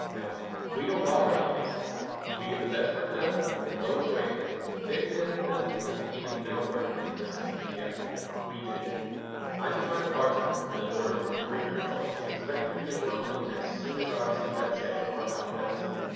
Now, we don't bother about these things. We get the best work done for the lowest wages. The big men in the business wouldn't even know where hands of this kind could be got. We do." I took my departure with an order for three hundred cloaks, expecting to begin work on them as soon as I received that check "from out West."